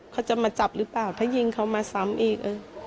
เขาจะมาจับหรือเปล่าถ้ายิงเขามาซ้ำอีก